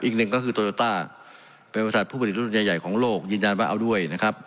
อีกหนึ่งก็คือโตโยต้าเป็นบริษัทผู้ผลิตรุ่นใหญ่ใหญ่ของโลกยืนยันว่าเอาด้วยนะครับ